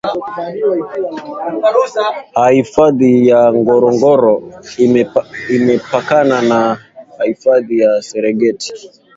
hifadhi ya ngorongor imepakana na hifadhi ya serengeti